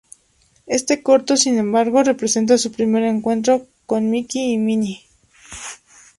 Este corto, sin embargo, representa su primer encuentro con Mickey y Minnie.